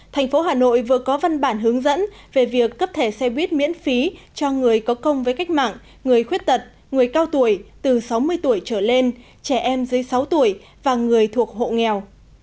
thành phố hà nội vừa có văn bản hướng dẫn về việc cấp thẻ xe buýt miễn phí cho người có công với cách mạng người khuyết tật người cao tuổi từ sáu mươi tuổi trở lên trẻ em dưới sáu tuổi và người thuộc hộ nghèo